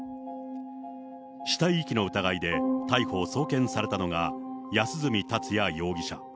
死体遺棄の疑いで逮捕・送検されたのが、安栖達也容疑者。